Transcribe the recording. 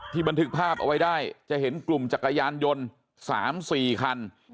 บันทึกภาพเอาไว้ได้จะเห็นกลุ่มจักรยานยนต์๓๔คัน